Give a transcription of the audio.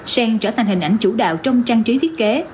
sen trở thành hình ảnh chủ đạo trong trang trí thiết kế